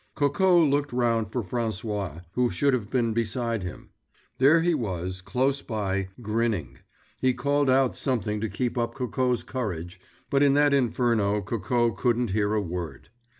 Coco looked round for François, who should have been beside him. There he was, close by, grinning. He called out something to keep up Coco's courage, but in that inferno Coco couldn't hear a word.